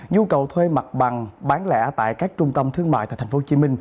nhu cầu thuê mặt bằng bán lẻ tại các trung tâm thương mại tại tp hcm